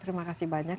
terima kasih banyak